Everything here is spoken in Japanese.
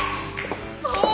そう！